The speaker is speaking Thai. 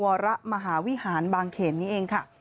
วรมหาวิหารบางเขนนี้เองค่ะ